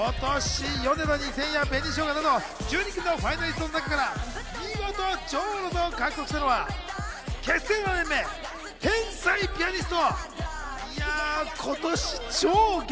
今年、ヨネダ２０００や紅しょうがなど１２組のファイナリストの中から見事女王の座を獲得したのは、結成７年目のコンビ・天才ピアニスト。